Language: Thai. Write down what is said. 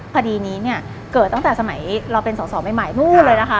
คดีนี้เนี่ยเกิดตั้งแต่สมัยเราเป็นสอสอใหม่นู่นเลยนะคะ